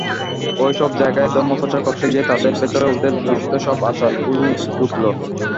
ঐ-সব জায়গায় ধর্মপ্রচার করতে গিয়ে তাদের ভেতর ওদের দূষিত সব আচারগুলি ঢুকল।